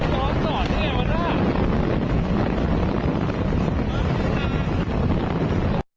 ย้อนต่อเท่าไหร่บ้างล่ะ